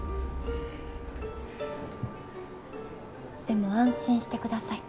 でも安心してください。